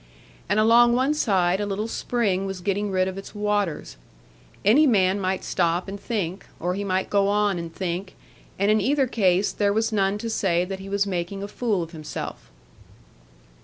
And along one side, a little spring was getting rid of its waters. Any man might stop and think; or he might go on and think; and in either case, there was none to say that he was making a fool of himself.